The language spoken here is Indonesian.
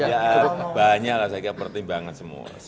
ya banyak lah saya kira pertimbangan semua